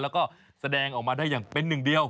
แล้วก็แสดงออกมาได้อย่างเป็นหนึ่งเดียว